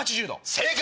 正解！